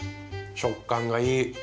食感がいい。